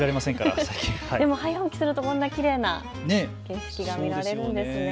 早起きするとこんなきれいな景色が見られるんですね。